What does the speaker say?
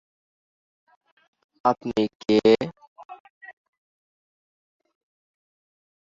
অচিন্ত্য-ভেদ-অভেদ তত্ত্বের ধর্মতাত্ত্বিক নীতি এই রহস্যের মিলন ঘটায় যে ঈশ্বর একই সাথে "তাঁর সৃষ্টির সাথে এক ও ভিন্ন"।